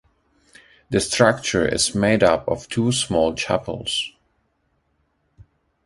The structure is made up of two small chapels.